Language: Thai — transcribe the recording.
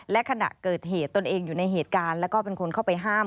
และขณะเกิดเหตุตนเองอยู่ในเหตุการณ์แล้วก็เป็นคนเข้าไปห้าม